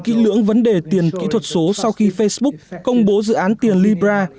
kỹ lưỡng vấn đề tiền kỹ thuật số sau khi facebook công bố dự án tiền libra